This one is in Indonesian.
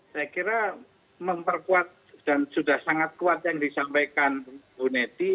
saya kira memperkuat dan sudah sangat kuat yang disampaikan bu neti